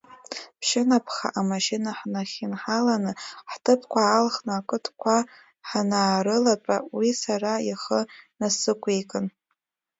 Ԥшьынаԥха амашьына ҳнахьынҳаланы, ҳҭыԥқәа аалхны ақыдқәа ҳанаарылатәа, уи сара ихы насықәикын…